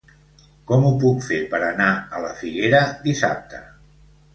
Com ho puc fer per anar a la Figuera dissabte?